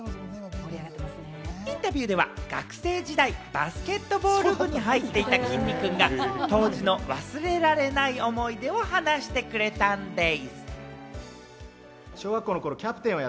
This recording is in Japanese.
インタビューでは学生時代、バスケットボール部に入っていた、きんに君が、当時の忘れられない思い出を話してくれたんでぃす。